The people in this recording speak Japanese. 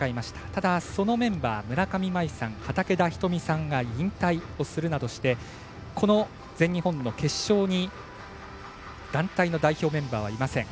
ただ、そのメンバー村上茉愛さん、畠田瞳さんが引退をするなどしてこの全日本の決勝に団体の代表メンバーはいません。